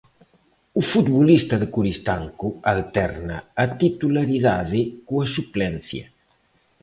O futbolista de Coristanco alterna a titularidade coa suplencia.